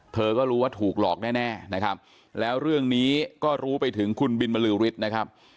เธอก็รู้ว่าถูกหลอกแน่นะครับแล้วเรื่องนี้ก็รู้ไปถึงคุณบินบรือฤทธิ์นะครับ